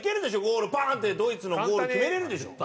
ゴールバーン！ってドイツのゴール決められるでしょ。